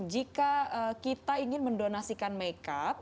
jika kita ingin mendonasikan make up